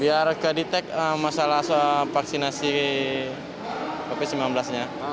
biar kedetek masalah soal vaksinasi covid sembilan belas nya